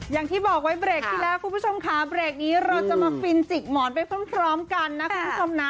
อย่างที่บอกไว้เบรกที่แล้วคุณผู้ชมค่ะเบรกนี้เราจะมาฟินจิกหมอนไปพร้อมกันนะคุณผู้ชมนะ